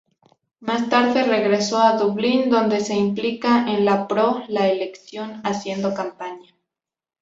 Más tarde regresó a Dublín, donde se implica en pro-la elección haciendo campaña.